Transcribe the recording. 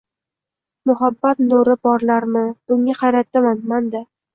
Muhabbat nuri porlarmi, bunga hayratdaman man-da